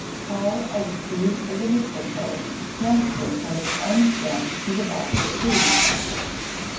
_How are the seeds of the mistletoe transferred from its own stem to the bark of trees?